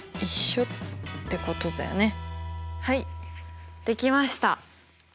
はいできました。